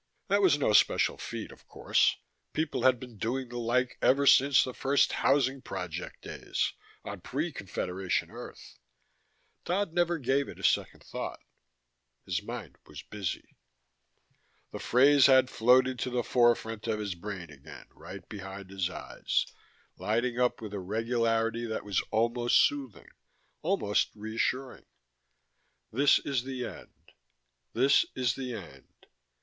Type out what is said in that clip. That was no special feat, of course: people had been doing the like ever since the first housing project days, on pre Confederation Earth. Dodd never gave it a second thought: his mind was busy. The phrase had floated to the forefront of his brain again, right behind his eyes, lighting up with a regularity that was almost soothing, almost reassuring. This is the end. _This is the end.